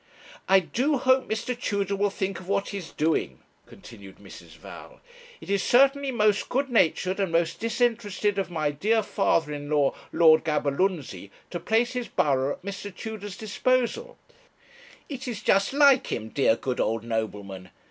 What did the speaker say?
'I do hope Mr. Tudor will think of what he is doing,' continued Mrs. Val. 'It is certainly most good natured and most disinterested of my dear father in law, Lord Gaberlunzie, to place his borough at Mr. Tudor's disposal. It is just like him, dear good old nobleman.